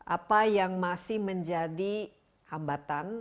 apa yang masih menjadi hambatan